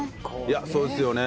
そうですよね。